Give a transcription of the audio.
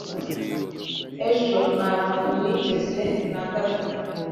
ejo ntabwo nize na gato